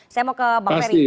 saya mau ke bang ferry